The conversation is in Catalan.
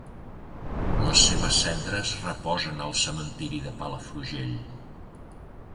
Les seves cendres reposen al cementiri de Palafrugell.